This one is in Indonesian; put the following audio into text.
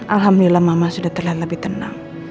alhamdulillah mama sudah terlihat lebih tenang